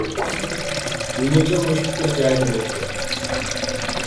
مېنىڭچە، مۇشۇ پىكىر جايىدا بوپتۇ.